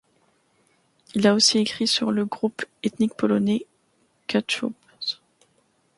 Il a aussi écrit sur le groupe ethnique polonais Kachoubes.